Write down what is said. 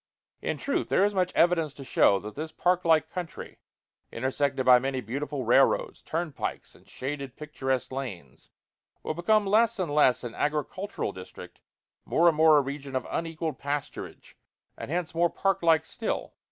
In truth, there is much evidence to show that this park like country, intersected by many beautiful railroads, turnpikes, and shaded picturesque lanes, will become less and less an agricultural district, more and more a region of unequalled pasturage, and hence more park like still.